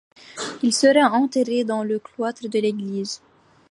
Il sera enterré dans le cloître de l'église.